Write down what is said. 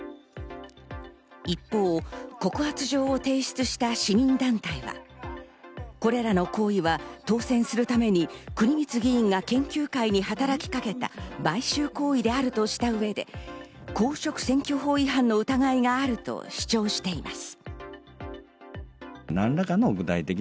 一方、告発状を提出した市民団体は、これらの行為は当選するために国光議員が研究会に働きかけた買収行為であるとした上で公職選挙法違反の疑いがあると主張しています。